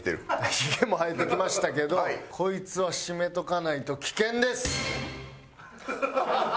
ひげも生えてきましたけどこいつはシメとかないと危険です。